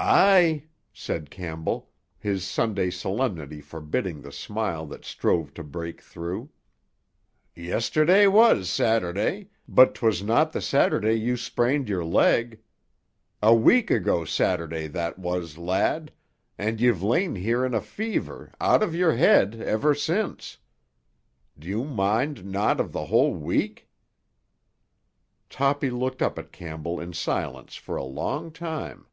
"Aye," said Campbell, his Sunday solemnity forbidding the smile that strove to break through. "Yesterday was Saturday, but 'twas not the Saturday you sprained your leg. A week ago Saturday that was, lad, and ye've lain here in a fever, out of your head, ever since. Do you mind naught of the whole week?" Toppy looked up at Campbell in silence for a long time.